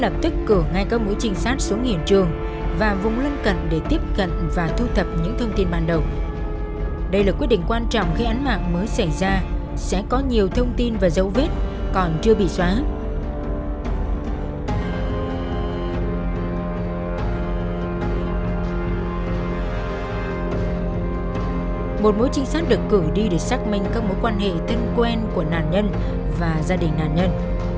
một mối trinh sát được cử đi để xác minh các mối quan hệ thân quen của nạn nhân và gia đình nạn nhân